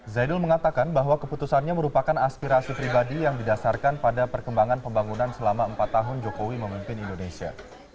zainul mengatakan bahwa keputusannya merupakan aspirasi pribadi yang didasarkan pada perkembangan pembangunan selama empat tahun jokowi memimpin indonesia